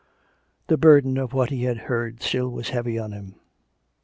The burden of what he had heard still was heavy on him.